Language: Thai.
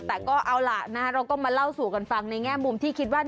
แต่ก็เอาล่ะนะเราก็มาเล่าสู่กันฟังในแง่มุมที่คิดว่า